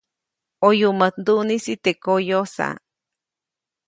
ʼOyumäjt nduʼnisi teʼ koyosa.